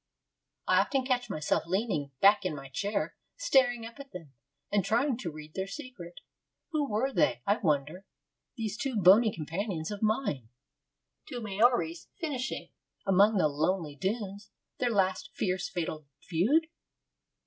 I often catch myself leaning back in my chair, staring up at them, and trying to read their secret. Who were they, I wonder, these two bony companions of mine? Two Maoris finishing, among the lonely dunes, their last fierce fatal feud?